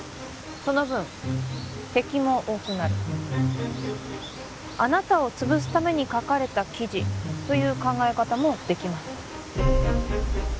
その分敵も多くなるあなたをつぶすために書かれた記事という考え方もできます